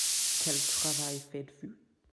Quel travail faites-vous ?